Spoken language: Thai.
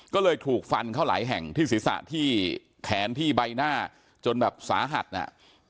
ก็เลยถูกฟันเข้าหลายแห่งที่ศีรษะที่แขนที่ใบหน้าจนแบบสาหัสน่ะ